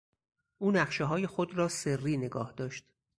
او نقشههای خود را سری نگاهداشت.